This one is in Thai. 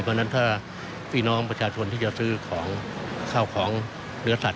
เพราะฉะนั้นถ้าพี่น้องประชาชนที่จะซื้อของข้าวของเนื้อสัตว